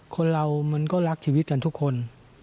คนเรามันก็รักชีวิตกันทุกคน